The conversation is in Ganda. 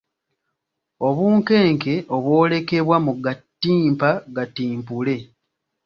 Obunkenke obw’olekebwa mu Gattimpa Gatimpule